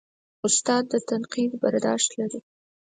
استاد د تنقید برداشت لري.